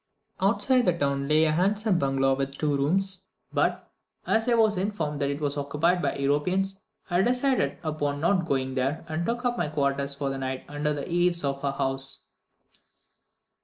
Outside the town lay a handsome bungalow with two rooms; but, as I was informed that it was occupied by Europeans, I decided upon not going there, and took up my quarters for the night under the eaves of a house.